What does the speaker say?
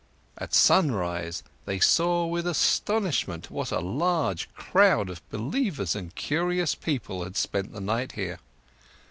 At sunrise, they saw with astonishment what a large crowd of believers and curious people had spent the night here.